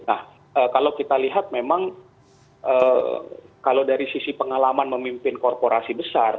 nah kalau kita lihat memang kalau dari sisi pengalaman memimpin korporasi besar